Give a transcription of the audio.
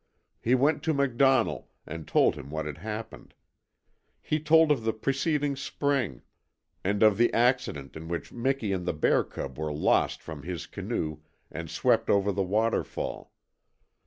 He went to MacDonnell, and told him what had happened. He told of the preceding spring, and of the accident in which Miki and the bear cub were lost from his canoe and swept over the waterfall.